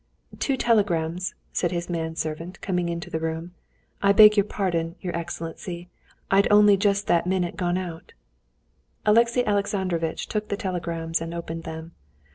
"Two telegrams," said his manservant, coming into the room. "I beg your pardon, your excellency; I'd only just that minute gone out." Alexey Alexandrovitch took the telegrams and opened them.